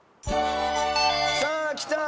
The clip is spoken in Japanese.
さあきた。